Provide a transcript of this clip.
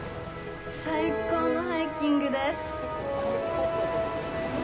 最高のハイキングです。